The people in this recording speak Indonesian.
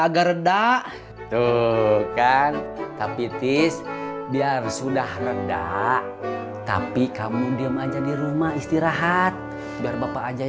agak reda tuh kan tapi tis biar sudah redak tapi kamu diem aja di rumah istirahat biar bapak aja